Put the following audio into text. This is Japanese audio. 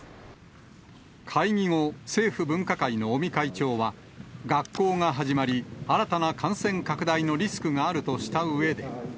会議後、政府分科会の尾身会長は、学校が始まり、新たな感染拡大のリスクがあるとしたうえで。